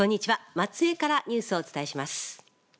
松江からニュースをお伝えします。